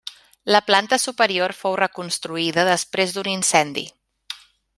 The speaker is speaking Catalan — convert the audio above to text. La planta superior fou reconstruïda després d'un incendi.